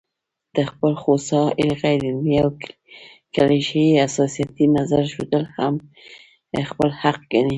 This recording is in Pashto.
د خپل خوسا، غيرعلمي او کليشه يي حساسيتي نظر ښودل هم خپل حق ګڼي